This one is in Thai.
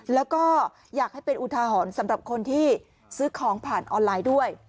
แล้วก็อยากให้เป็นอุทาหรณ์สำหรับคนที่ซื้อของผ่านออนไลน์ด้วย